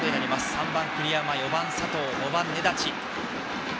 ３番、栗山４番、佐藤、５番、根立。